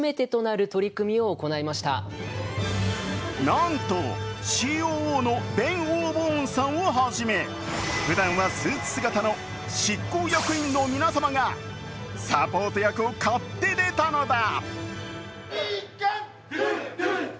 なんとＣＯＯのベン・オーボーンさんをはじめふだんはスーツ姿の執行役員の皆様方がサポート役を買って出たのだ。